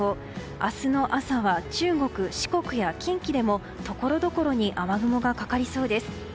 明日の朝は中国・四国や近畿でも、ところどころに雨雲がかかりそうです。